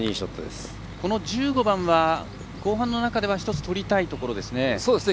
この１５番は後半の中では１つとりたいところですね。